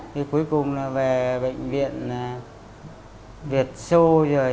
thì cuối cùng là về bệnh viện việt sô rồi